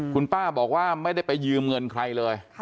คุณป้าบอกว่าไม่ได้ไปยืมเงินใครเลย